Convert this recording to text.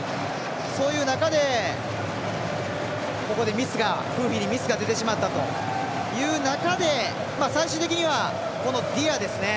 そういう中でここでミスがフーヒにミスが出てしまったという中で最終的にはディアですね